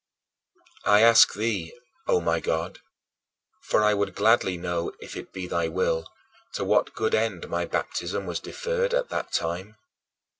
18. I ask thee, O my God, for I would gladly know if it be thy will, to what good end my baptism was deferred at that time?